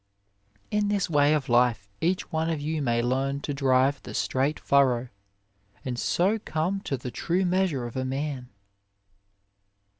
In this way of life each one of you may learn to drive the straight furrow and so come to the true measure of a man.